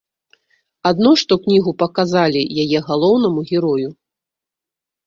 Адно што кнігу паказалі яе галоўнаму герою.